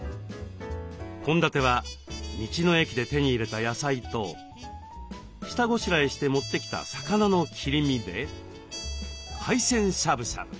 献立は道の駅で手に入れた野菜と下ごしらえして持ってきた魚の切り身で海鮮しゃぶしゃぶ。